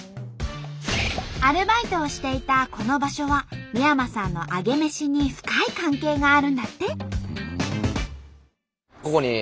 アルバイトをしていたこの場所は三山さんのアゲメシに深い関係があるんだって。